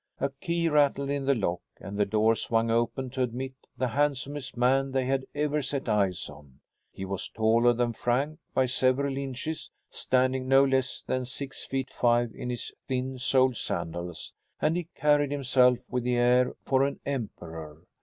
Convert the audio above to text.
A key rattled in the lock and the door swung open to admit the handsomest man they had ever set eyes on. He was taller than Frank by several inches, standing no less than six feet five in his thin soled sandals, and he carried himself with the air for an emperor.